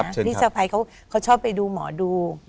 นี่สะพายเขาชอบไปดูหมอดู